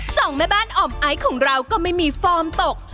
สองแม่บ้านอ่อมไอซ์ของเราก็ไม่มีฟอร์มตก